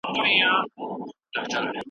زه د رقیبانو پېغورونو آزمېیلی یم